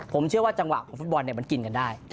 ผมเชื่อว่าจังหวะของฟุตบอลมันกินกันได้